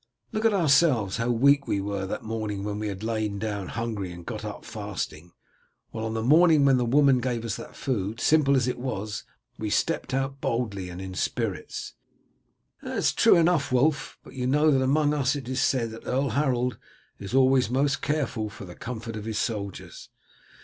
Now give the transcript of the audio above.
Look at ourselves how weak we were that morning when we had lain down hungry and got up fasting, while on the morning when the woman gave us that food, simple as it was, we stepped out boldly and in spirits." "That is true enough, Wulf, but you know that among us it is said that Earl Harold is always most careful for the comfort of his soldiers."